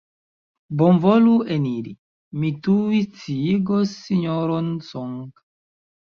Bonvolu eniri; mi tuj sciigos Sinjoron Song.